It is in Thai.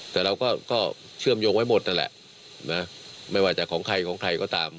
แต่เราก็เชื่อมโยงไว้หมดนั่นแหละนะไม่ว่าจะของใครของใครก็ตาม